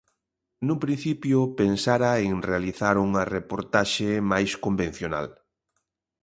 Nun principio, pensara en realizar unha reportaxe máis convencional.